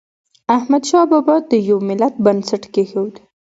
احمد شاه بابا د یو ملت بنسټ کېښود.